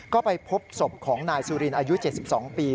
ก็ไปพบศพของนายสุรินอายุ๗๒ปี